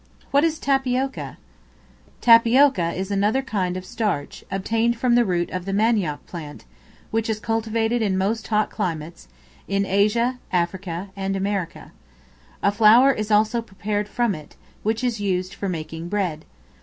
What is Tapioca? Tapioca is another kind of starch, obtained from the root of the manioc plant, which is cultivated in most hot climates, in Asia, Africa, and America. A flour is also prepared from it, which is used for making bread.